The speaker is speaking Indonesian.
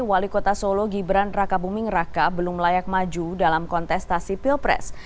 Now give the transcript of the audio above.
wali kota solo gibran raka buming raka belum layak maju dalam kontestasi pilpres